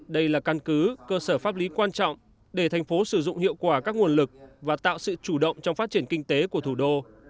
đây là căn cứ cơ sở pháp lý quan trọng để thành phố sử dụng hiệu quả các nguồn lực và tạo sự chủ động trong phát triển kinh tế của thủ đô